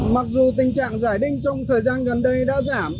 mặc dù tình trạng giải đinh trong thời gian gần đây đã giảm